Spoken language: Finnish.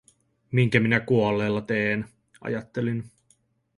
Minkä minä kuolleella teen, ajattelin.